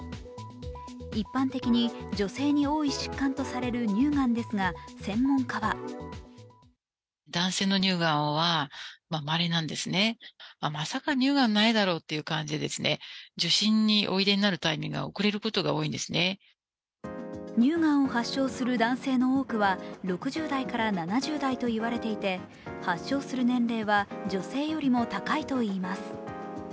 一般的に女性に多い疾患とされる乳がんですが専門家は乳がんを発症する男性の多くは６０代から７０代といわれていて発症する年齢は女性よりも高いといいます。